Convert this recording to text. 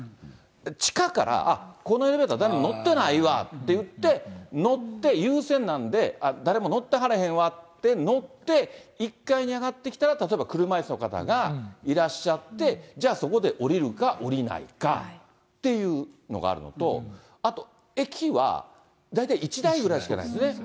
地下から、あっ、このエレベーター、誰も乗ってないわっていって、乗って、優先なんで、誰も乗ってはれへんわって乗って、１階に上がってきたら、例えば車いすの方がいらっしゃって、じゃあ、そこで降りるか降りないかっていうのがあるのと、あと、駅は大体１台ぐらいしかないですね。